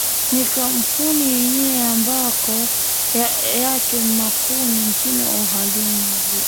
Ni Kmpuni yenye makao yake makuu nchini Uholanzi